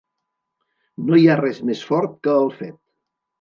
No hi ha res més fort que el fet.